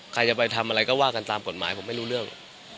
ใครจะไปทำอะไรก็ว่ากันตามกฎหมายผมไม่รู้เรื่อง